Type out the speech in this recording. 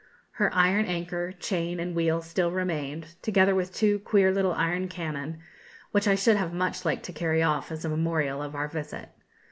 Her iron anchor, chain, and wheel still remained, together with two queer little iron cannon, which I should have much liked to carry off as a memorial of our visit.